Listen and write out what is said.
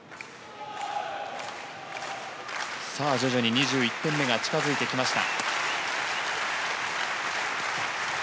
徐々に２１点目が近づいてきました。